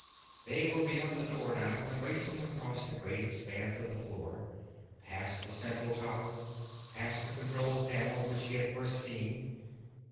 They were beyond the door now and racing across the great expanse of the floor, past the central tower, past the control panel which he had first seen....